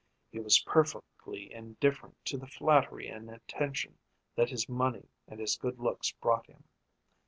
He was perfectly indifferent to the flattery and attention that his money and his good looks brought him.